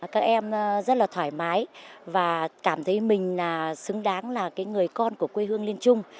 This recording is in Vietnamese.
các em rất là thoải mái và cảm thấy mình là xứng đáng là người con của quê hương liên trung